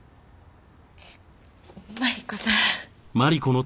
マリコさん。